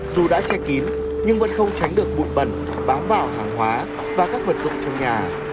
dù đã che kín nhưng vẫn không tránh được bụi bẩn bám vào hàng hóa và các vật dụng trong nhà